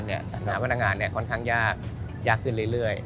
ปัญหาพนักงานค่อนข้างยากขึ้นเรื่อย